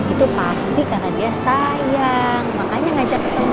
itu pasti karena dia sayang makanya ngajak ketemu